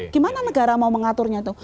gimana negara mau mengaturnya itu